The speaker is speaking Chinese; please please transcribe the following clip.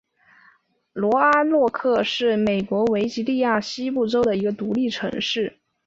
罗阿诺克是美国维吉尼亚州西南部的一个独立城市。